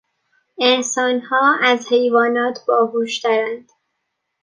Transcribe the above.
انسانها از حیوانات باهوشترند.